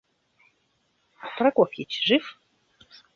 А Прокофьич жив?